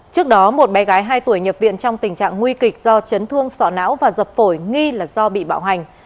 trước đó một bé gái hai tuổi nhập viện trong tình trạng nguy kịch do chấn thương sọ não và dập phổi nghi là do bị bạo hành